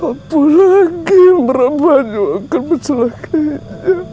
apa lagi yang berapa juga akan mencelakainya